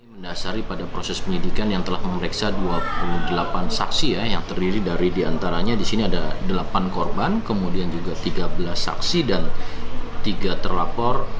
mendasari pada proses penyidikan yang telah memeriksa dua puluh delapan saksi ya yang terdiri dari diantaranya di sini ada delapan korban kemudian juga tiga belas saksi dan tiga terlapor